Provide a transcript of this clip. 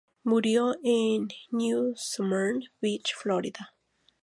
Murió en New Smyrna Beach, Florida.